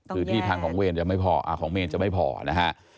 คือที่ทางของเวรจะไม่พอของเมนจะไม่พอนะฮะ